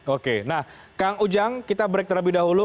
oke nah kang ujang kita break terlebih dahulu